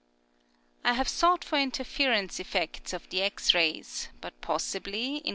I have sought for interference effects of the X rays, but possibly, in con Fig.